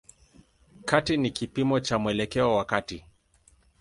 Kati ni kipimo cha mwelekeo wa kati.